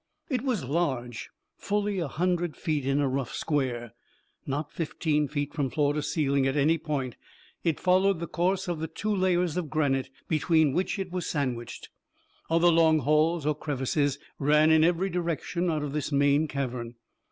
It was large fully a hundred feet in a rough square. Not fifteen feet from floor to ceiling at any point, it followed the course of the two layers of granite between which it was sandwiched. Other long halls, or crevices, ran in every direction out of this main cavern.